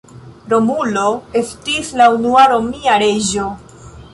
Romulo estis la unua Romia reĝo.